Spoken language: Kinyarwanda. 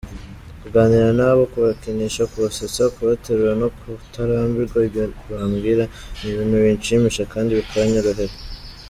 Kuganira nabo, kubakinisha, kubasetsa , kubaterura no kutarambirwa ibyo bambwira ni ibintu binshimisha kandi bikanyoroherera.